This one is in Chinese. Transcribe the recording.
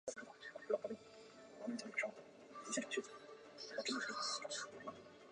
最早的巡回赛是由各赛事的负责机构与国际网球联合会负责。